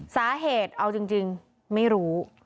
สาเหตุเอาจริงไม่รู้